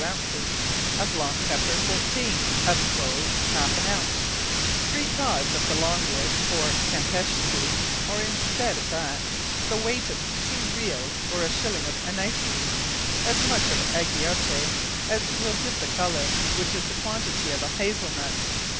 ounces; of long red pepper, 14. of Cloves, halfe an ounce: Three Cods of the Logwood or Campeche tree; or in steade of that, the weight of 2. Reals, or a shilling of Anniseeds; as much of Agiote, as will give the colour, which is about the quantity of a Hasell nut.